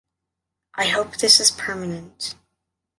I hope this is permanent.